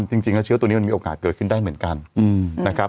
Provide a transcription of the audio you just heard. จริงแล้วเชื้อตัวนี้มันมีโอกาสเกิดขึ้นได้เหมือนกันนะครับ